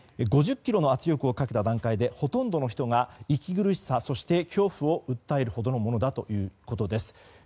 ５０ｋｇの圧力をかけた段階でほとんどの人が息苦しさ、恐怖を訴えるほどのものだということです。